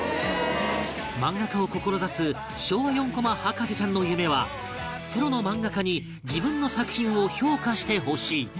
漫画家を志す昭和４コマ博士ちゃんの夢はプロの漫画家に自分の作品を評価してほしい